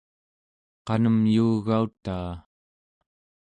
qanemyuugautaa